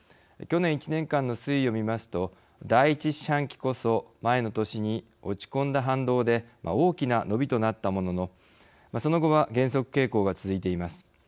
去年１年間の推移を見ますと第１四半期こそ前の年に落ち込んだ反動で大きな伸びとなったもののその後は減速傾向が続いています。